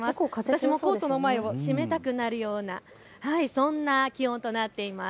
私もコートの前を閉めたくなるようなそんな気温となっています。